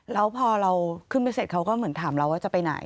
แล้วพอเราขึ้นไปเสร็จเขาก็เหมือนถามเราว่าจะไปไหน